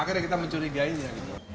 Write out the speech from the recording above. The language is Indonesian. akhirnya kita mencurigainya